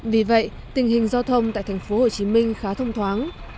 vì vậy tình hình giao thông tại thành phố hồ chí minh khá thông thoáng